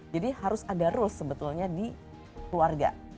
jadi harus ada rules sebetulnya di keluarga